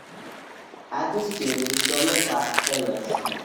Add this tune to the sylvia plath playlist